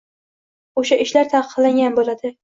o‘sha ishlar taqiqlangan bo‘ladi.